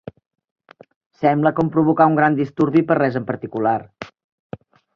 Sembla com provocar un gran disturbi per res en particular.